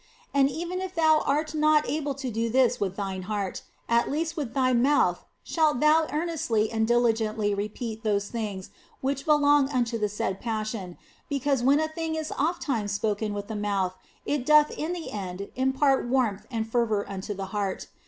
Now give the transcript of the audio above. And even if thou art not able to do this with thine heart, at least with thy mouth shalt thou earnestly and diligently repeat those things which belong unto the said Passion, because when a thing is ofttimes spoken with the mouth it doth in the end impart warmth and fervour unto the heart.